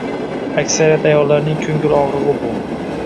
Aksariyat ayollarning ko`ngil og`rig`i bu